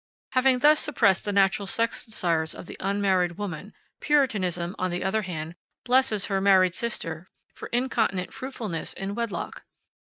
Having thus suppressed the natural sex desires of the unmarried woman, Puritanism, on the other hand, blesses her married sister for incontinent fruitfulness in wedlock.